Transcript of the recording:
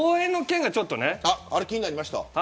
気になりました。